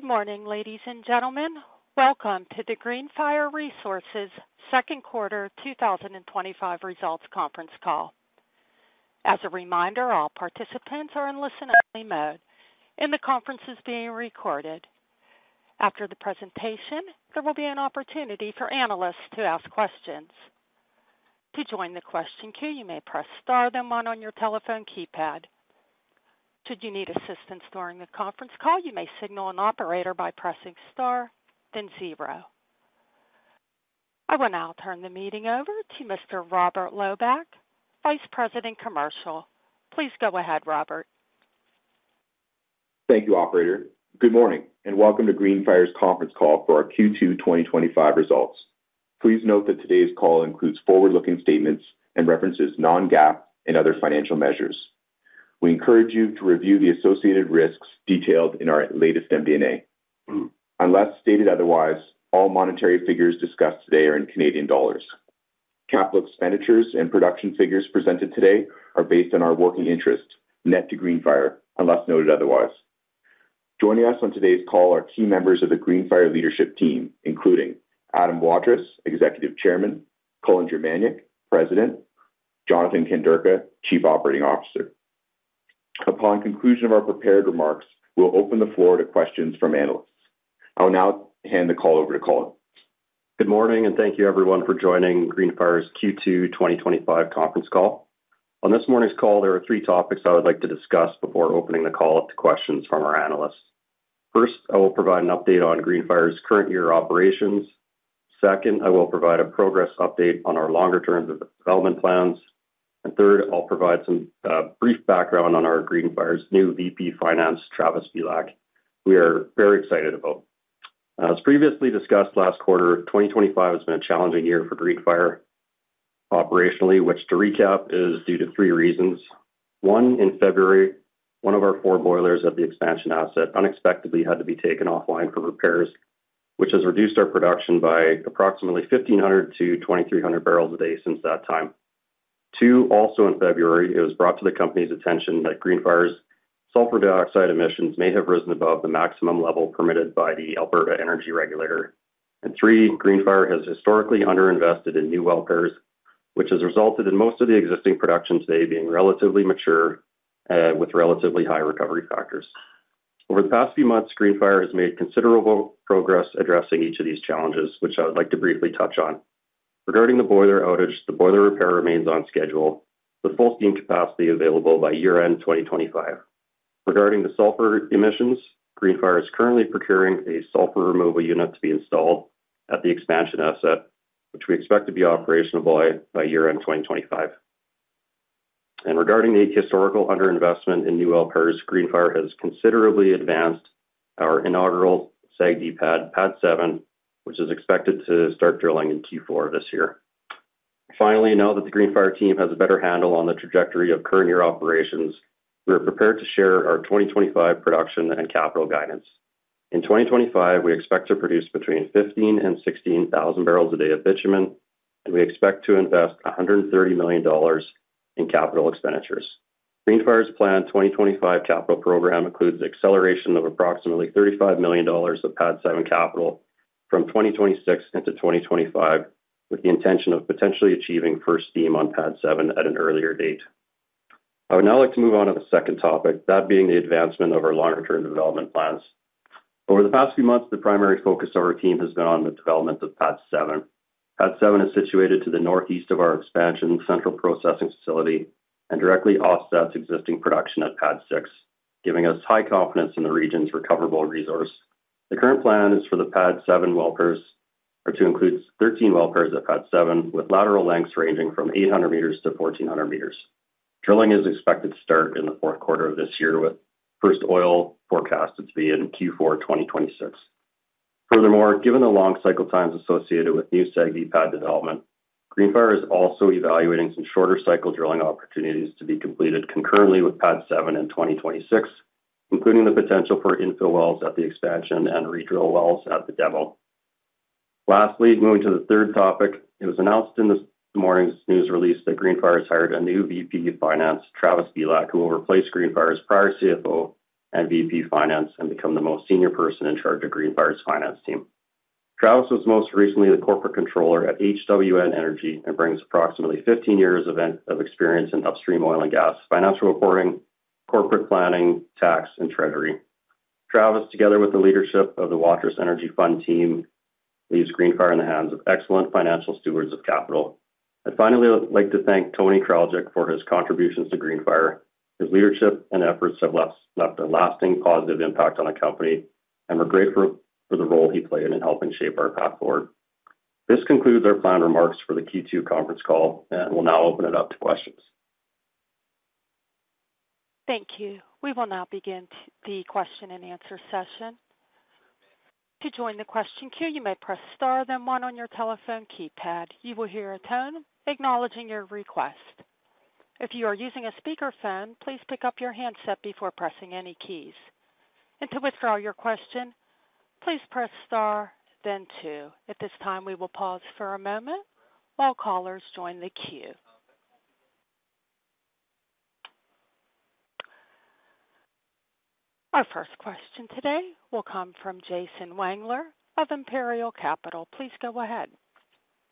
Good morning, ladies and gentlemen. Welcome to the Greenfire Resources' Second Quarter 2025 Results Conference Call. As a reminder, all participants are in listening mode, and the conference is being recorded. After the presentation, there will be an opportunity for analysts to ask questions. To join the question queue, you may press star, then one on your telephone keypad. Should you need assistance during the conference call, you may signal an operator by pressing star, then zero. I will now turn the meeting over to Mr. Robert Loebach, Vice President of Commercial. Please go ahead, Robert. Thank you, Operator. Good morning and welcome to Greenfire's Conference Call for our Q2 2025 results. Please note that today's call includes forward-looking statements and references non-GAAP and other financial measures. We encourage you to review the associated risks detailed in our latest MD&A. Unless stated otherwise, all monetary figures discussed today are in Canadian dollars. Capital expenditures and production figures presented today are based on our working interest, net to Greenfire, unless noted otherwise. Joining us on today's call are key members of the Greenfire leadership team, including Adam Waterous, Executive Chairman, Colin Germaniuk, President, and Jonathan Kanderka, Chief Operating Officer. Upon conclusion of our prepared remarks, we'll open the floor to questions from analysts. I will now hand the call over to Colin. Good morning and thank you, everyone, for joining Greenfire' Q2 2025 Conference Call. On this morning's call, there are three topics I would like to discuss before opening the call up to questions from our analysts. First, I will provide an update on Greenfire's current year operations. Second, I will provide a progress update on our longer-term development plans. Third, I'll provide some brief background on Greenfire's new Vice President Finance, Travis Belak, who we are very excited about. As previously discussed last quarter, 2025 has been a challenging year for Greenfire operationally, which, to recap, is due to three reasons. One, in February, one of our four boilers at the expansion asset unexpectedly had to be taken offline for repairs, which has reduced our production by approximately 1,500 bbl-2,300 bbl per day since that time. Two, also in February, it was brought to the company's attention that Greenfire's sulfur dioxide emissions may have risen above the maximum level permitted by the Alberta Energy Regulator. Three, Greenfire has historically underinvested in new well pairs, which has resulted in most of the existing production today being relatively mature and with relatively high recovery factors. Over the past few months, Greenfire has made considerable progress addressing each of these challenges, which I would like to briefly touch on. Regarding the boiler outage, the boiler repair remains on schedule, with full steam capacity available by year-end 2025. Regarding the sulfur emissions, Greenfire is currently procuring a sulfur removal unit to be installed at the expansion asset, which we expect to be operational by year-end 2025. Regarding the historical underinvestment in new well pairs, Greenfire has considerably advanced our inaugural SAGD pad, Pad 7, which is expected to start drilling in Q4 2025. Finally, now that the Greenfire team has a better handle on the trajectory of current year operations, we are prepared to share our 2025 production and capital guidance. In 2025, we expect to produce between 15,000 bbl-16,000 bbl per day of bitumen, and we expect to invest CND 130 million in capital expenditures. Greenfire's planned 2025 capital program includes the acceleration of approximately CND 35 million of Pad 7 capital from 2026 into 2025, with the intention of potentially achieving first steam on Pad 7 at an earlier date. I would now like to move on to the second topic, that being the advancement of our longer-term development plans. Over the past few months, the primary focus of our team has been on the development of Pad 7. Pad 7 is situated to the northeast of our expansion central processing facility and directly offsets existing production at Pad 6, giving us high confidence in the region's recoverable resource. The current plan is for the Pad 7 well pairs to include 13 well pairs at Pad 7, with lateral lengths ranging from 800 m-1,400 m. Drilling is expected to start in the fourth quarter of this year, with first oil forecasted to be in Q4 2026. Furthermore, given the long cycle times associated with new SAGD pad development, Greenfire is also evaluating some shorter cycle drilling opportunities to be completed concurrently with Pad 7 in 2026, including the potential for infill wells at the expansion and redrill wells at the demo asset. Lastly, moving to the third topic, it was announced in this morning's news release that Greenfire has hired a new VP of Finance, Travis Belak, who will replace Greenfire's prior CFO and VP of Finance and become the most senior person in charge of Greenfire's finance team. Travis was most recently the Corporate Controller at HWN Energy and brings approximately 15 years of experience in upstream oil and gas financial reporting, corporate planning, tax, and treasury. Travis, together with the leadership of the Waterous Energy Fund team, leaves Greenfire in the hands of excellent financial stewards of capital. I'd finally like to thank Tony Kraljic for his contributions to Greenfire. His leadership and efforts have left a lasting positive impact on the company and are grateful for the role he played in helping shape our path forward. This concludes our planned remarks for the Q2 conference call, and we'll now open it up to questions. Thank you. We will now begin the question-and-answer session. To join the question queue, you may press star, then one on your telephone keypad. You will hear a tone acknowledging your request. If you are using a speaker phone, please pick up your handset before pressing any keys. To withdraw your question, please press star, then two. At this time, we will pause for a moment while callers join the queue. Our first question today will come from Jason Wangler of Imperial Capital. Please go ahead.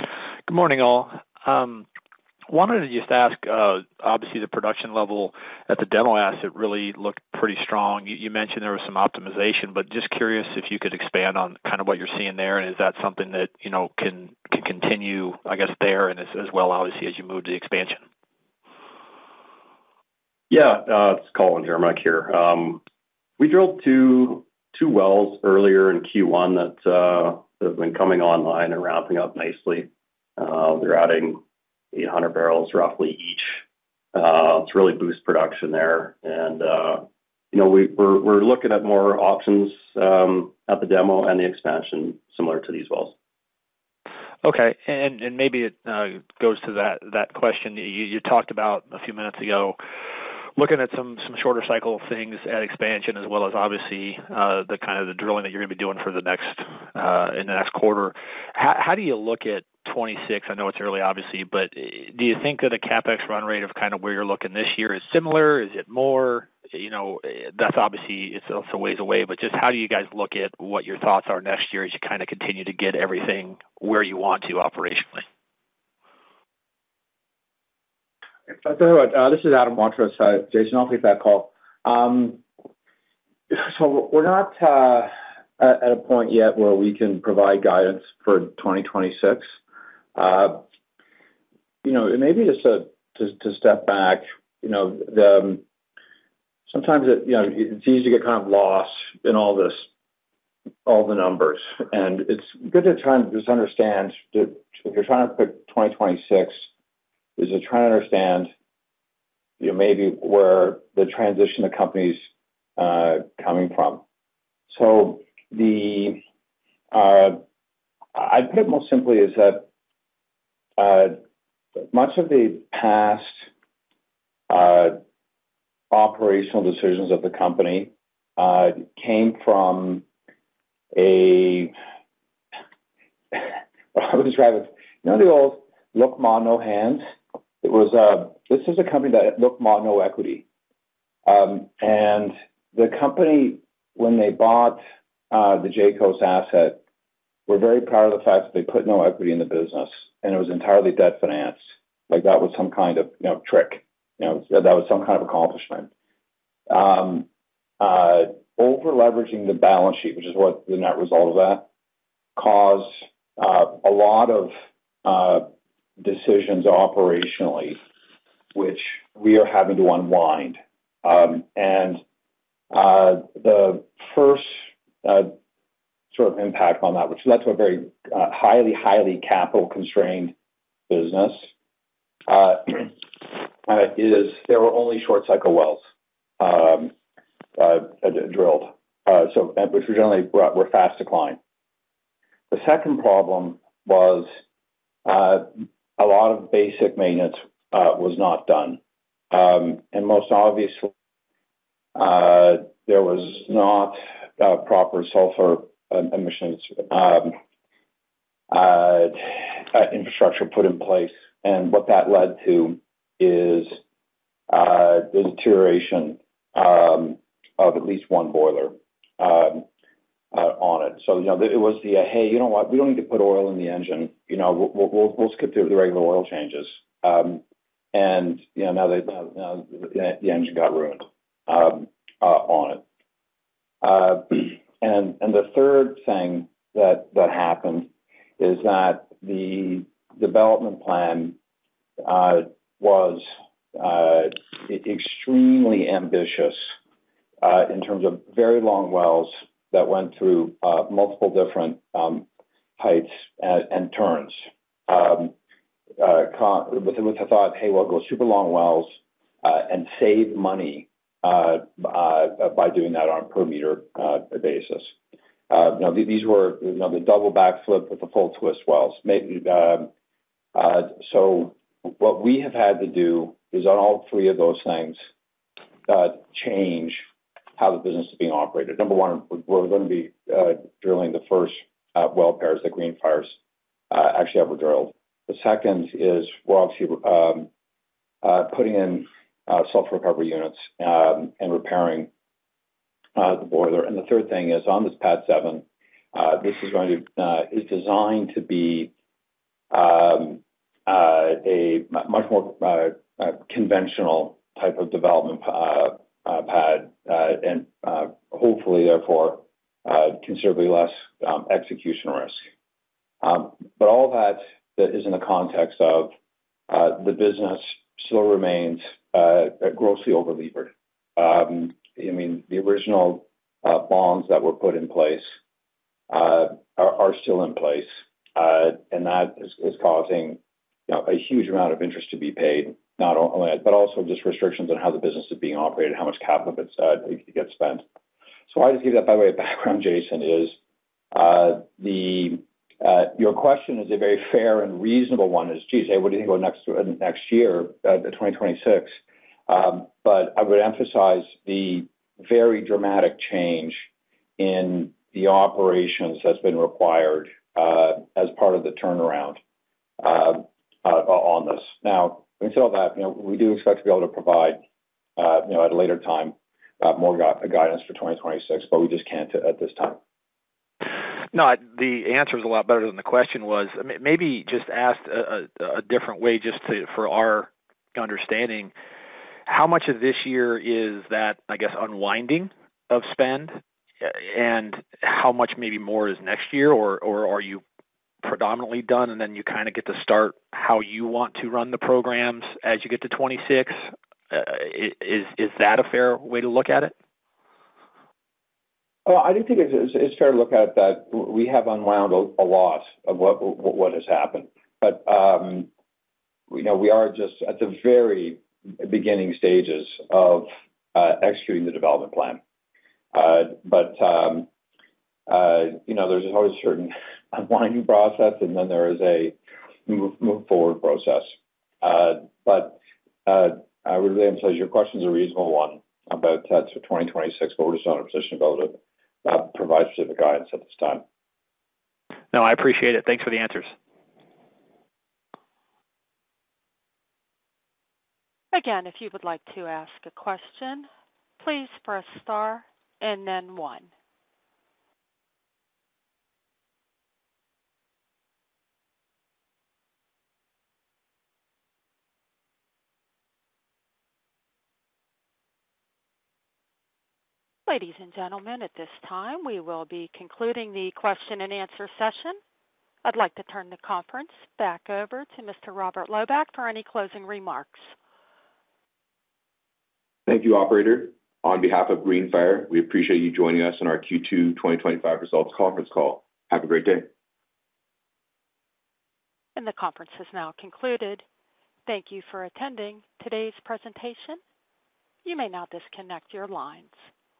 Good morning all. I wanted to just ask, obviously the production level at the demo asset really looked pretty strong. You mentioned there was some optimization. I am just curious if you could expand on kind of what you're seeing there. Is that something that, you know, can you continue, I guess, there as well, obviously, as you move to the expansion? Yeah, it's Colin here. We drilled two wells earlier in Q1 that have been coming online and ramping up nicely. They're adding 800 bbl roughly each to really boost production there. We're looking at more options at the demo asset and the expansion similar to these wells. Okay. Maybe it goes to that question you talked about a few minutes ago, looking at some shorter cycle things at expansion, as well as obviously the kind of the drilling that you're going to be doing in the next quarter. How do you look at 2026? I know it's early, obviously, but do you think that a CapEx run rate of kind of where you're looking this year is similar? Is it more? It's obviously a ways away, but just how do you guys look at what your thoughts are next year as you kind of continue to get everything where you want to operationally? I'll tell you what, this is Adam Waterous. Jason, I'll take that call. We're not at a point yet where we can provide guidance for 2026. It may be, just to step back, sometimes it's easy to get kind of lost in all this, all the numbers. It's good to try and just understand if you're trying to predict 2026, you're trying to understand maybe where the transition of the company is coming from. I'd put it more simply: much of the past operational decisions of the company came from a, I'll just try to, you know, the old look ma, no hands. It was, this is a company that, look ma, no equity. The company, when they bought the Jayco asset, were very proud of the fact that they put no equity in the business, and it was entirely debt financed, like that was some kind of trick, that was some kind of accomplishment. Over-leveraging the balance sheet, which is what the net result of that caused a lot of decisions operationally, which we are having to unwind. The first sort of impact on that led to a very highly, highly capital-constrained business. There were only short cycle wells drilled, which generally were fast declined. The second problem was a lot of basic maintenance was not done. Most obviously, there was not proper sulfur emissions infrastructure put in place. What that led to is the deterioration of at least one boiler on it. It was the, "Hey, you know what? We don't need to put oil in the engine. We'll skip the regular oil changes." Now the engine got ruined on it. The third thing that happened is that the development plan was extremely ambitious in terms of very long wells that went through multiple different heights and turns, with the thought of, "Hey, we'll go super long wells and save money by doing that on a per meter basis." These were the double backflip with the full twist wells. What we have had to do is all three of those things change how the business is being operated. Number one, we're going to be drilling the first well pairs that Greenfire's actually ever drilled. The second is we're obviously putting in sulfur recovery units and repairing the boiler. The third thing is on this Pad 7, this is going to be designed to be a much more conventional type of development pad and hopefully therefore considerably less execution risk. All that is in the context of the business still remains grossly over-levered. I mean, the original bonds that were put in place are still in place. That is causing a huge amount of interest to be paid, not only that, but also just restrictions on how the business is being operated, how much capital gets spent. I just gave that by way of background. Jason, your question is a very fair and reasonable one. It's, geez, hey, what do you think about next year, 2026? I would emphasize the very dramatic change in the operations that's been required as part of the turnaround on this. Now, instead of that, we do expect to be able to provide, you know, at a later time more guidance for 2026, but we just can't at this time. No, the answer is a lot better than the question was. Maybe just ask a different way for our understanding. How much of this year is that, I guess, unwinding of spend? Yeah. How much maybe more is next year, or are you predominantly done and then you kind of get to start how you want to run the programs as you get to 2026? Is that a fair way to look at it? I do think it's fair to look at that we have unwound a lot of what has happened. You know, we are just at the very beginning stages of executing the development plan. You know, there's always a certain unwinding process, and then there is a move forward process. I would really emphasize your question is a reasonable one about 2026, but we're just not in a position to be able to provide specific guidance at this time. No, I appreciate it. Thanks for the answers. Again, if you would like to ask a question, please press star and then one. Ladies and gentlemen, at this time, we will be concluding the question-and-answer session. I'd like to turn the conference back over to Mr. Robert Loebach for any closing remarks. Thank you, Operator. On behalf of Greenfire, we appreciate you joining us on our Q2 2025 Results Conference Call. Have a great day. The conference is now concluded. Thank you for attending today's presentation. You may now disconnect your lines.